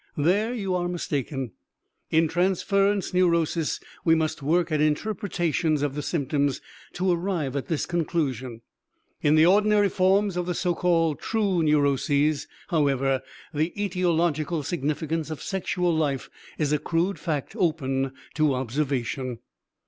There you are mistaken. In transference neurosis we must work at interpretations of the symptoms to arrive at this conclusion. In the ordinary forms of the so called true neuroses, however, the etiological significance of sexual life is a crude fact open to observation.